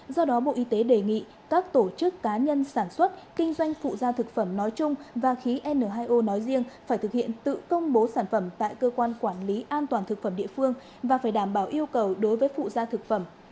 do đó bộ y tế đề nghị các tổ chức cá nhân sản xuất kinh doanh phụ gia thực phẩm nói chung và khí n hai o nói riêng phải thực hiện tự công bố sản phẩm tại cơ quan quản lý an toàn thực phẩm địa phương và phải đảm bảo yêu cầu đối với phụ gia thực phẩm